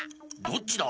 どっちだ？